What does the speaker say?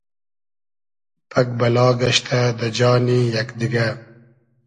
پئگ بئلا گئشتۂ دۂ جانی یئگ دیگۂ